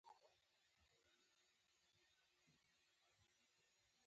دى وايي چې زه يې ټکټنى يم.